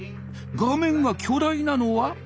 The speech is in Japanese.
画面が巨大なのは？